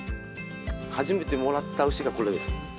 はじめてもらった牛がこれです。